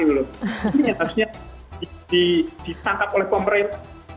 ini yang harusnya ditangkap oleh pemerintah